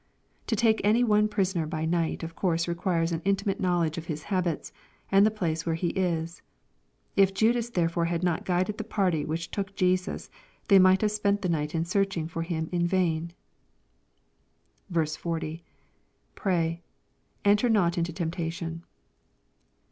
To take any one prisoner by night of course requires an intimate knowledge of his habits, and of the place where he is. If Judaa ' therefore had not guided the party which took Jesus, they might have spent the night in searching for Him in vain. 10. — [Pray. ..enter not into temptation.